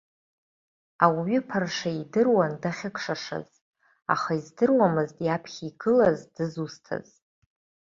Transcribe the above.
Ауаҩы ԥаршеи идыруан дахьыкшашаз, аха издыруамызт иаԥхьа игылаз дызусҭаз.